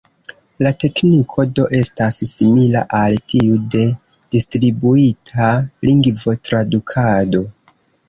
La tekniko do estas simila al tiu de Distribuita Lingvo-Tradukado.